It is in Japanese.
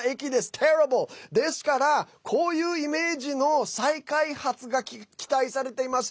Ｔｅｒｒｉｂｌｅ．ですからこういうイメージの再開発が期待されてます。